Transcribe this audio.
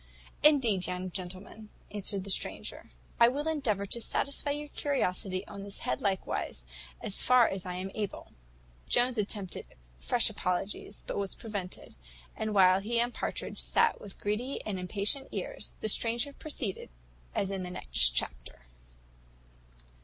"Indeed, young gentleman," answered the stranger, "I will endeavour to satisfy your curiosity on this head likewise, as far as I am able." Jones attempted fresh apologies, but was prevented; and while he and Partridge sat with greedy and impatient ears, the stranger proceeded as in the next chapter.